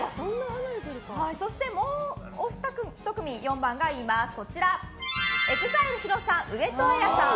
そしてもう１組、４番がＥＸＩＬＥＨＩＲＯさん上戸彩さん。